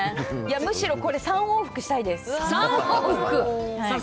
むしろこれ、３往復したいです。